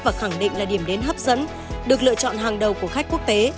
và khẳng định là điểm đến hấp dẫn được lựa chọn hàng đầu của khách quốc tế